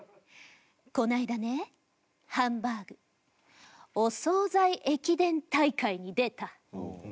この間ねハンバーグお総菜駅伝大会に出た。